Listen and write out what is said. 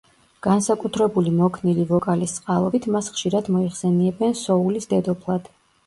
განსაკუთრებული მოქნილი ვოკალის წყალობით მას ხშირად მოიხსენიებენ „სოულის დედოფლად“.